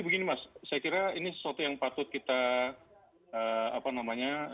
begini mas saya kira ini sesuatu yang patut kita